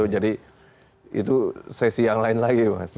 jadi itu sesi yang lain lagi mas